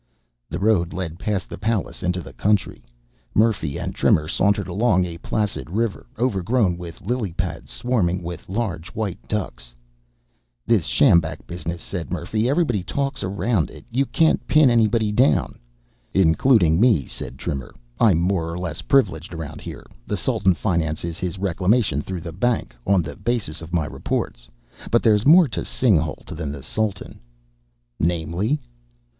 The road led past the palace into the country. Murphy and Trimmer sauntered along a placid river, overgrown with lily pads, swarming with large white ducks. "This sjambak business," said Murphy. "Everybody talks around it. You can't pin anybody down." "Including me," said Trimmer. "I'm more or less privileged around here. The Sultan finances his reclamation through the bank, on the basis of my reports. But there's more to Singhalût than the Sultan." "Namely?"